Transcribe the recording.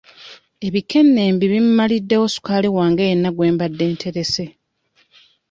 Ebikennembi bimmaliddewo sukaali wange yenna gwe mbadde nterese.